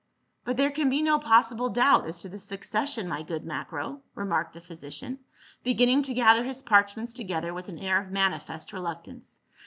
" But there can be no possible doubt as to the suc cession, my good Macro," remarked the physician, beginning to gather his parchments together with an air of manifest reluctance.